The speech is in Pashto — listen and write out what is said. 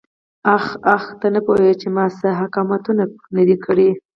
آخ آخ ته نه پوهېږې چې ما څه حماقتونه نه دي کړي.